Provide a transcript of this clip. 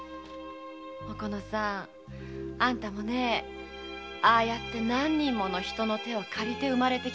おこのさんあんたもああやって何人もの手を借りて生まれてきたんだよ。